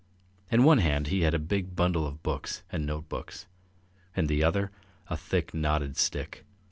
In one hand he had a big bundle of books and notebooks, in the other a thick knotted stick.